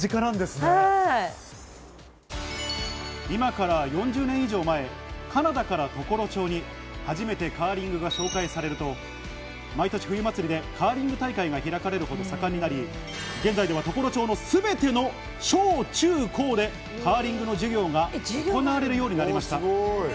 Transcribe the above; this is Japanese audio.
今から４０年以上前、カナダから常呂町に初めてカーリングが紹介されると、毎年、冬祭りでカーリング大会が開かれるほど盛んになり、現在では常呂町のすべての小、中、高でカーリングの授業が行われるようになりました。